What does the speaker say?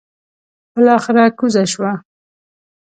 بلاخره کوزه شوه.